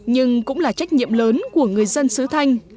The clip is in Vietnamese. nhưng cũng là trách nhiệm lớn của người dân sứ thanh